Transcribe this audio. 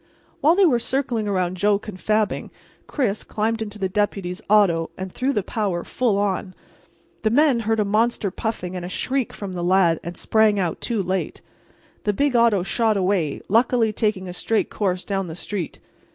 While they were circling around Joe confabbing, Chris climbed into the Deputy's auto and threw the power full on. The men heard a monster puffing and a shriek from the lad, and sprang out too late. The big auto shot away, luckily taking a straight course down the street.